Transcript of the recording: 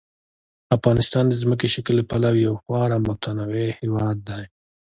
افغانستان د ځمکني شکل له پلوه یو خورا متنوع هېواد دی.